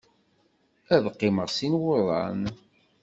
Ad qqimeɣ sin wuḍan.